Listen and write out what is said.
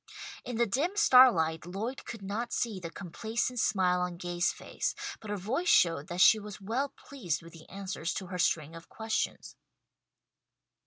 In the dim starlight Lloyd could not see the complacent smile on Gay's face, but her voice showed that she was well pleased with the answers to her string of questions.